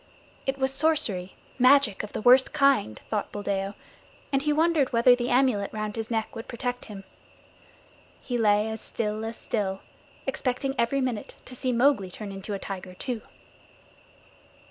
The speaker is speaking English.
It was sorcery, magic of the worst kind, thought Buldeo, and he wondered whether the amulet round his neck would protect him. He lay as still as still, expecting every minute to see Mowgli turn into a tiger too.